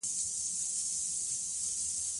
اخلاق د انسان د وجدان او زړه ترمنځ د همغږۍ سبب ګرځي.